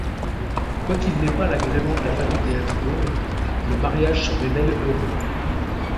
Quoiqu'il n'ait pas l'agrément de la famille des Habsbourg, le mariage se révèle heureux.